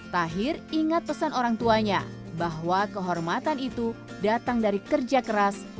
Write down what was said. tahir ingat pesan orang tuanya bahwa kehormatan itu datang dari kerja keras